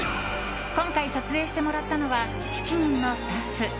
今回、撮影してもらったのは７人のスタッフ。